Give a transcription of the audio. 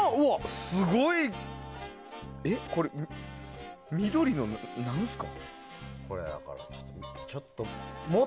すごい。これ緑の何ですか？